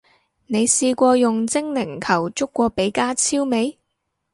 你試過用精靈球捉過比加超未？